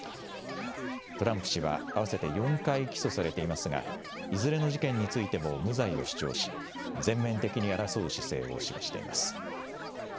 トランプ氏は合わせて４回起訴されていますが、いずれの事件についても無罪を主張し、全面的に争う姿勢を示しています。